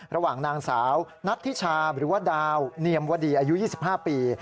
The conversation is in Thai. ระหว่างนางสาวนัทธิชาหรือว่าดาวเนียมวดีอายุ๒๕ปี